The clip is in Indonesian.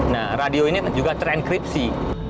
nah radio ini juga terenkripsi